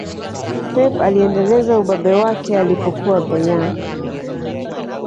pep aliendeleza ubabe wake alipokuwa bayern